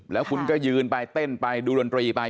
แล้วคุณก็ยืนไปเต้นไปดูดนตรีไป